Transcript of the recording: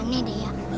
aneh deh ya